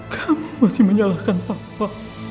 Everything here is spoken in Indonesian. kamu masih menyalahkan papa